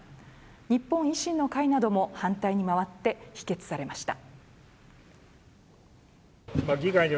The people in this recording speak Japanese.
一方、維新の会なども反対に回って否決されました。